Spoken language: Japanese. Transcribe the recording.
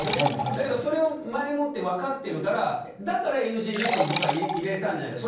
だけど前もって分かっているからＮＧリストに入れたんじゃないかと。